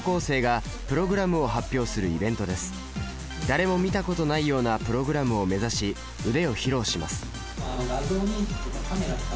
誰も見たことないようなプログラムを目指し腕を披露します。